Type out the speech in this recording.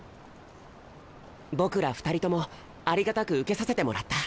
僕ら２人ともありがたく受けさせてもらった。